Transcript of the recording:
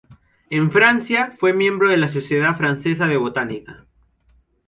En Francia fue miembro de la Sociedad Francesa de Botánica.